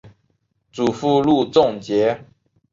祖父路仲节。